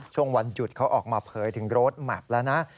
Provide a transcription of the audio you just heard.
ช่วงวันหยุดเขาออกมาเผยถึงโรดแมพแล้วนะ